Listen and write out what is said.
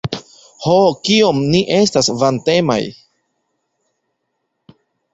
Ho, kiom ni estas vantemaj!